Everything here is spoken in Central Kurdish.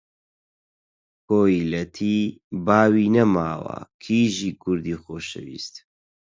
کۆیلەتی باوی نەماوە، کیژی کوردی خۆشەویست!